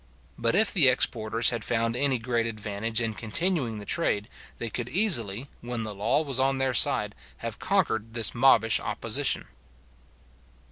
But if the exporters had found any great advantage in continuing the trade, they could easily, when the law was on their side, have conquered this mobbish opposition.